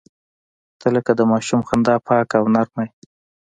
• ته لکه د ماشوم خندا پاکه او نرمه یې.